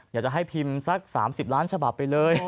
อยากจะให้พิมพ์สัก๓๐ล้านฉบับไปเลย